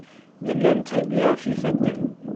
Nella nettɣimi ɣef yifadden.